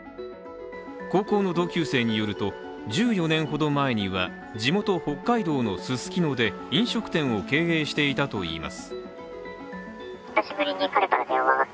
高校の同級生によると１４年ほど前には地元・北海道のすすきので飲食店を経営していたといいます。